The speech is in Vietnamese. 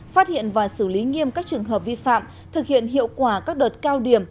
phát hiện và xử lý nghiêm các trường hợp vi phạm thực hiện hiệu quả các đợt cao điểm